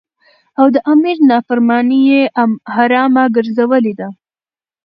او د امیر نافرمانی یی حرامه ګرځولی ده.